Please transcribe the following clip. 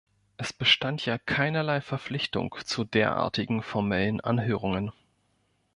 Es bestand ja keinerlei Verpflichtung zu derartigen formellen Anhörungen.